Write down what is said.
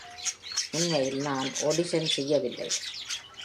உண்மையில் நான் ஆடிஷன் செய்யவில்லை.